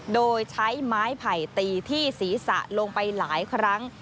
โดยใช้ไม้ไผ่ตีที่ศีรษะลงไปหลายครั้ง